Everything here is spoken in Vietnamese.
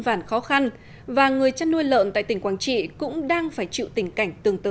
phản khó khăn và người chăn nuôi lợn tại tỉnh quảng trị cũng đang phải chịu tình cảnh tương tự